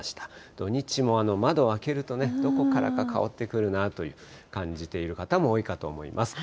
土日も窓を開けるとね、どこからか香ってくるなという、感じている方も多いかと思います。